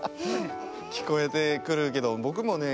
きこえてくるけどぼくもね